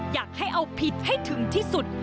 อยากให้เอาผิดให้ถึงที่สุด